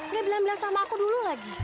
hei kamu tahu nggak